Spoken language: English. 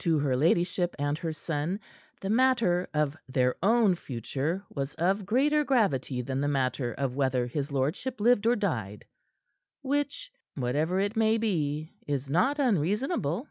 To her ladyship and her son, the matter of their own future was of greater gravity than the matter of whether his lordship lived or died which, whatever it may be, is not unreasonable.